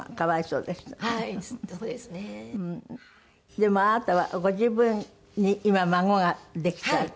でもあなたはご自分に今孫ができた。